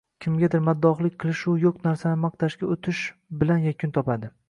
kimgadir maddohlik qilishu yo‘q narsalarni maqtashga o‘tish bilan yakun topadi.